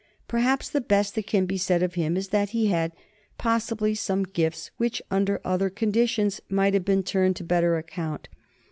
Perhaps the best that can be said of him is that he had possibly some gifts which under other conditions might have been turned to better account.